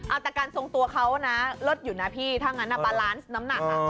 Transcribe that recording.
อ่าแต่การทรงตัวเขานะรถอยู่น่ะพี่ถ้างั้นอ่ะน้ำหนักอ่ะอ่า